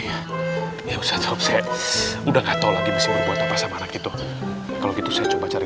biaya ya ustadz ustadz udah nggak tahu lagi mesin buat apa sama anak itu kalau gitu saya coba cari